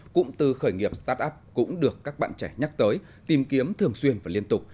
cụm từ khởi nghiệp start up cũng được các bạn trẻ nhắc tới tìm kiếm thường xuyên và liên tục